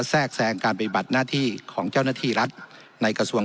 แทรกแทรงการปฏิบัติหน้าที่ของเจ้าหน้าที่รัฐในกระทรวง